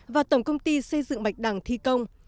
và tổng công ty xây dựng bạch đằng thi công